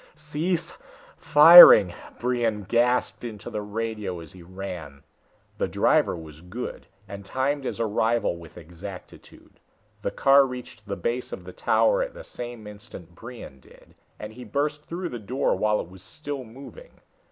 "Cease ... firing!" Brion gasped into the radio as he ran. The driver was good, and timed his arrival with exactitude. The car reached the base of the tower at the same instant Brion did, and he burst through the door while it was still moving.